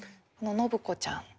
信子ちゃん。